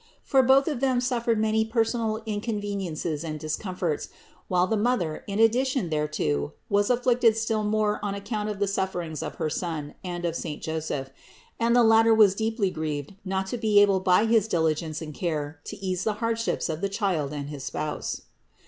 For both of them suffered many personal in conveniences and discomforts, while the Mother, in addi tion thereto, was afflicted still more on account of the sufferings of her Son and of saint Joseph ; and the latter 539 540 CITY OF GOD was deeply grieved not to be able by his diligence and care to ease the hardships of the Child and his Spouse.